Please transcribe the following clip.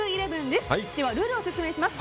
ではルールを説明します。